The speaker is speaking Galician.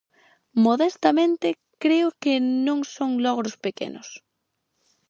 Modestamente creo que non son logros pequenos.